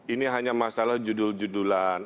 ini hanya masalah judul judulan